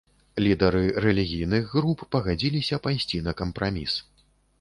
Лідары рэлігійных груп пагадзіліся пайсці на кампраміс.